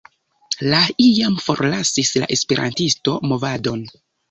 Li iam forlasis la esperantisto-movadon.